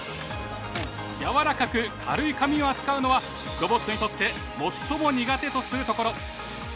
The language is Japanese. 柔らかく軽い紙を扱うのはロボットにとって最も苦手とするところ。